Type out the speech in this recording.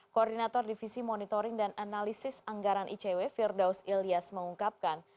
koordinator divisi monitoring dan analisis anggaran icw firdaus ilyas mengungkapkan